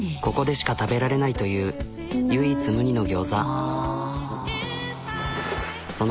ここでしか食べられないという唯一無二の餃子。